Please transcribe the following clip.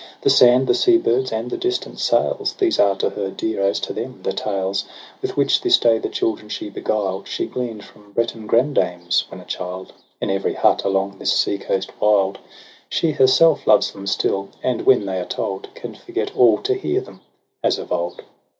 The sand, the sea birds, and the distant sails, These are to her dear as to them; the tales With which this day the children she beguiled She gleaned from Breton grandames, when a child, In every hut along this sea coast wild; 224 TRISTRAM AND ISEULT. She herself loves them still, and, when they are told, Can forget all to hear them, as of old.